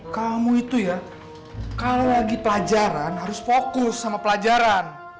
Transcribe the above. kamu itu ya kalau lagi pelajaran harus fokus sama pelajaran